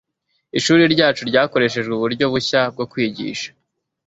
Ishuri ryacu ryakoresheje uburyo bushya bwo kwigisha.